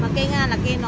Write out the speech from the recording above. mà cây nga là cây nó